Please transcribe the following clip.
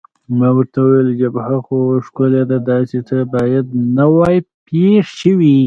ما ورته وویل: جبهه خو ښکلې ده، داسې څه باید نه وای پېښ شوي.